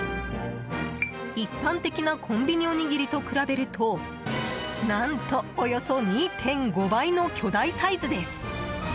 一般的なコンビニおにぎりと比べると何と、およそ２．５倍の巨大サイズです。